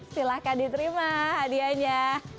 silahkan diterima hadianya